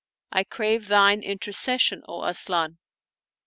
I crave thine intercession, O Asian."